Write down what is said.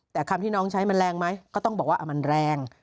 แต่คำที่น้องใช้มันแรงไหมก็ต้องบอกว่ามันแรง